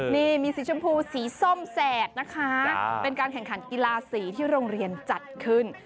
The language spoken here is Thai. นี่มีสีชมพูสีส้มแสดนะคะเป็นการแข่งขันกีฬาสีที่โรงเรียนจัดขึ้น